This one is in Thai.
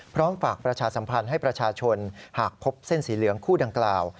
พร้อมฝากประชาสัมพันธ์ให้ประชาชนหากพบเส้นสีเหลืองคู่ดังกล่าว